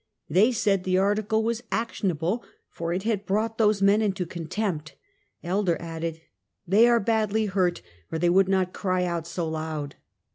They said the article was actionable, for it had brought those men into contempt. Elder added :" They are badly hurt, or they would not cry out so loud."